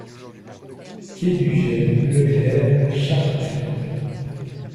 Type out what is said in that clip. Quai du Gen Leclerc à Chartrettes